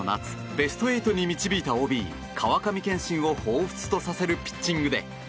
ベスト８に導いたＯＢ川上憲伸をほうふつとさせるピッチングで。